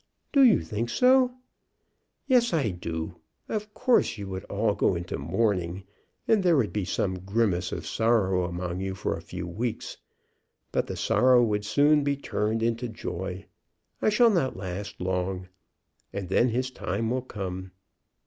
"Do you think so?" "Yes, I do. Of course you would all go into mourning, and there would be some grimace of sorrow among you for a few weeks, but the sorrow would soon be turned into joy. I shall not last long, and then his time will come.